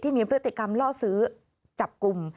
มีพฤติกรรมล่อซื้อจับกลุ่ม